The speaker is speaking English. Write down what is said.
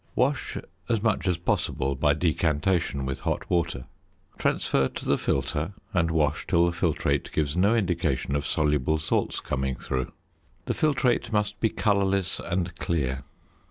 Wash as much as possible by decantation with hot water. Transfer to the filter, and wash till the filtrate gives no indication of soluble salts coming through. The filtrate must be colourless and clear.